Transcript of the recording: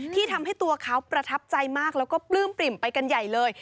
ที่ทำให้ตัวเขาประทับใจมากแล้วก็ปลื้มปริ่มไปกันใหญ่เลย